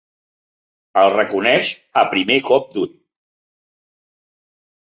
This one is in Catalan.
El reconeix al primer cop d'ull.